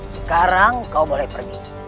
sekarang kau boleh pergi